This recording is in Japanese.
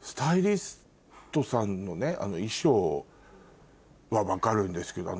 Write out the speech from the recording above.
スタイリストさんの衣装は分かるんですけど。